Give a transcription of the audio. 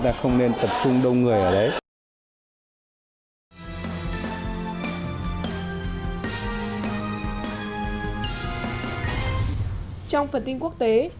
trong phần tin quốc tế